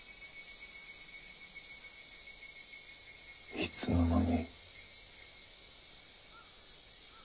いつのまに。